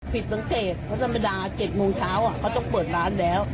ผิดสังเกตก็สมดา๗โมงเช้าอ่ะเขาต้องเปิดร้านแล้ว